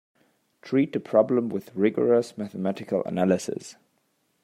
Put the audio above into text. Treat the problem with rigorous mathematical analysis.